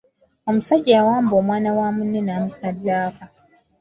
Omusajja yawamba omwana wa munne n’amusaddaaka.